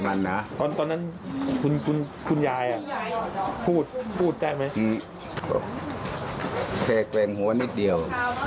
สายหัวนิดเดียว